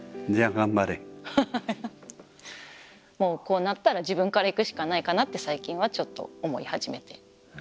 もうこうなったら自分から行くしかないって最近はちょっと思い始めています。